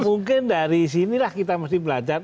mungkin dari sinilah kita mesti belajar